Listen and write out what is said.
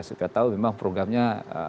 supaya tahu memang programnya